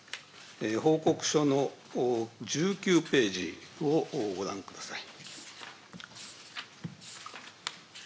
報告書の１９ページをご覧ください。